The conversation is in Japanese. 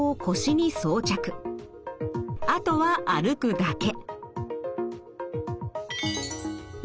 あとは歩くだけ。